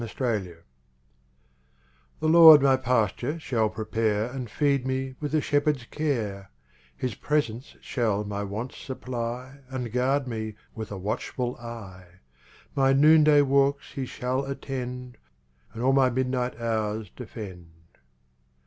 7 Autoplay The Lord my pasture shall prepare And feed me with a shepherd's care; His presence shall my wants supply And guard me with a watchful eye; My noonday walks He shall attend And all my midnight hours defend.